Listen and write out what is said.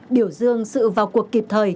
biểu dương sự vào cuộc kịp thời